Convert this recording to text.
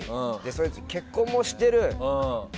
そいつは結婚もしてる。